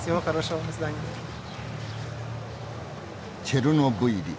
チェルノブイリ